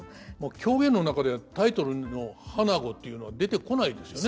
狂言の中でタイトルの「花子」っていうのは出てこないですよね。